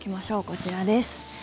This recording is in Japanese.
こちらです。